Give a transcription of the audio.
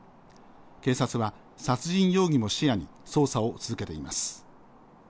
警察は殺人容疑も視野に捜査を続けています。